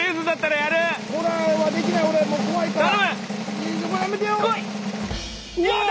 やめてよ！